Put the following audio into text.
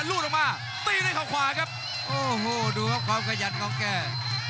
รูดออกมาตีด้วยเขาขวาครับโอ้โหดูครับความขยันของแก